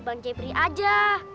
bang jepri aja